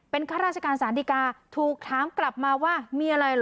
เป็นข้าราชการสารดีกาถูกถามกลับมาว่ามีอะไรเหรอ